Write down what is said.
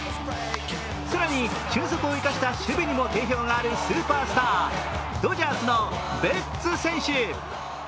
更に俊足を生かした守備にも定評があるスーパースター、ドジャーズのベッツ選手。